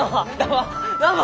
どうも！